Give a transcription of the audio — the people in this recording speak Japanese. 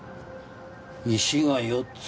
石が４つ。